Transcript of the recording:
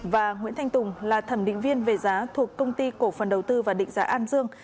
và nguyễn thanh tùng là thẩm định viên về giá thuộc công ty cổ phần đầu tư và định giá an dương